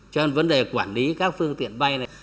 cho nên vấn đề quản lý các phương tiện bay này